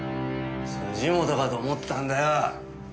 本かと思ったんだよ。